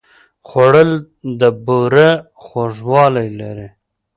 خوړل د بوره خوږوالی لري